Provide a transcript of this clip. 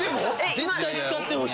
絶対使ってほしい。